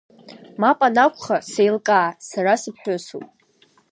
Мап анакәха, сеилкаа, сара сыԥҳәысуп…